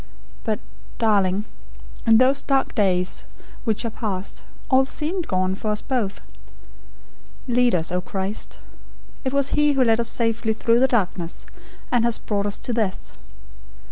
But, darling, in those dark days which are past, all seemed gone, for us both. 'Lead us, O Christ' It was He who led us safely through the darkness, and has brought us to this.